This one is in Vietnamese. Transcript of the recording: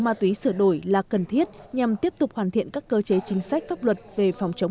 ma túy sửa đổi là cần thiết nhằm tiếp tục hoàn thiện các cơ chế chính sách pháp luật về phòng chống